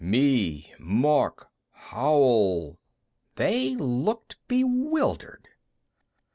"Me ... Mark ... Howell...." They looked bewildered.